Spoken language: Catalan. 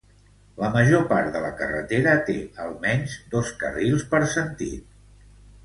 La major part de la carretera té almenys dos carrils per sentit.